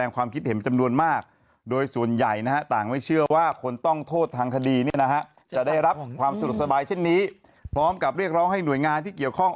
ความสุดสบายเช่นนี้พร้อมกับเรียกร้องให้หน่วยงานที่เกี่ยวข้อง